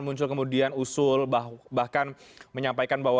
muncul kemudian usul bahkan menyampaikan bahwa